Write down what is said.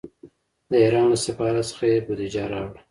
د ایران له سفارت څخه یې بودجه راوړه.